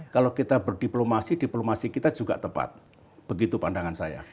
kalau kita berdiplomasi diplomasi kita juga tepat begitu pandangan saya